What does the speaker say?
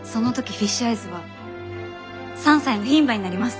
フィッシュアイズは３歳の牝馬になります。